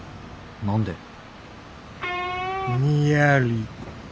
何で？